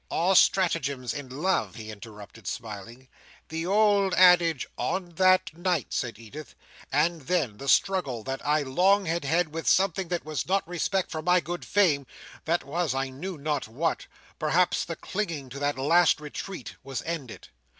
"All stratagems in love— " he interrupted, smiling. "The old adage—" "On that night," said Edith, "and then, the struggle that I long had had with something that was not respect for my good fame—that was I know not what—perhaps the clinging to that last retreat—was ended.